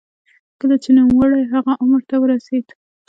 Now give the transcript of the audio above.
کله چې نوموړی هغه عمر ته ورسېد.